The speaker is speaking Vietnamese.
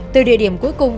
từ địa điểm cuối cùng